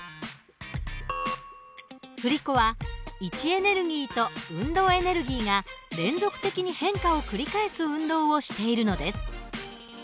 振り子は位置エネルギーと運動エネルギーが連続的に変化を繰り返す運動をしているのです。